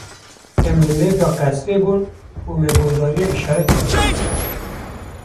Em li mêrga qesirê bûn û me guhdariya îşaretê dikir.